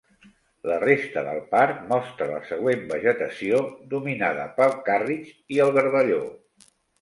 La resta del parc mostra la següent vegetació dominada pel càrritx i el garballó.